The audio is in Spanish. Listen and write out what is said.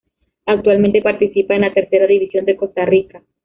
Actualmente participa en la Tercera División de Costa Rica.